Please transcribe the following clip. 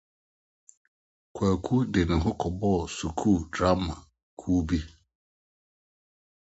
Kwaku de ne ho kɔbɔɔ sukuu drama kuw bi.